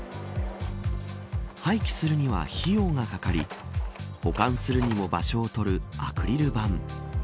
廃棄するには費用がかかり保管するにも場所をとるアクリル板。